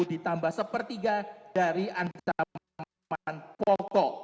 ditambah sepertiga dari antara pembahasan pokok